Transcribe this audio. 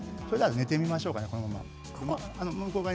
寝てみましょうかね。